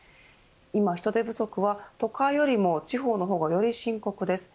今、人手不足は都会よりも地方の方がより深刻です。